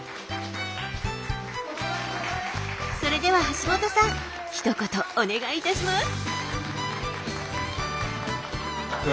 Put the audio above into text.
それでは橋本さんひと言お願いいたします。